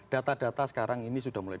data data sekarang ini sudah mulai